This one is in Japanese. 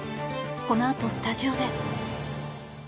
このあとスタジオで。